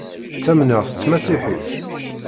Ttamneɣ s tmasiḥit.